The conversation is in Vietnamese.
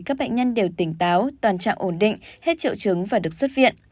các bệnh nhân đều tỉnh táo toàn trạng ổn định hết triệu chứng và được xuất viện